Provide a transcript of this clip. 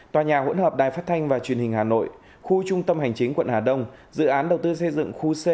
tòa nhà hỗn hợp đài phát thanh và truyền hình hà nội khu trung tâm hành chính quận hà đông dự án đầu tư xây dựng khu c